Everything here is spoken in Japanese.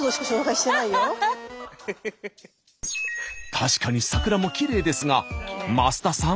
確かに桜もきれいですが増田さん